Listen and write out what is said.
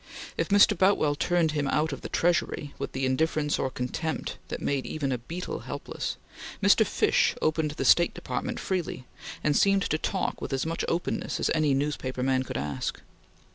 If Mr. Boutwell turned him out of the Treasury with the indifference or contempt that made even a beetle helpless, Mr. Fish opened the State Department freely, and seemed to talk with as much openness as any newspaper man could ask.